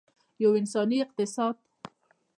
یو انساني اقتصاد.